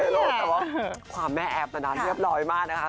แม่โฮตค่ะมีแต่ว่าแม่แอบมานานเรียบร้อยมากนะคะ